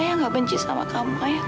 lara mau sama om gustaf ya